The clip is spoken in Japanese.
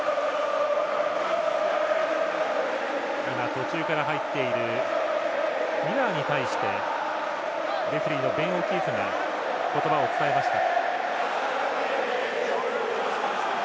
途中から入っているミラーに対してレフリーのベン・オキーフが言葉を伝えました。